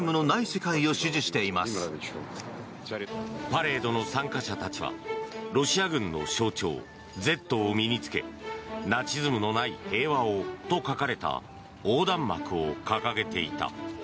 パレードの参加者たちはロシア軍の象徴「Ｚ」を身に着け「ナチズムのない平和を」と書かれた横断幕を掲げていた。